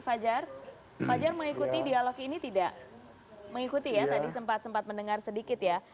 fajar fajar mengikuti dialog ini tidak mengikuti ya tadi sempat sempat mendengar sedikit ya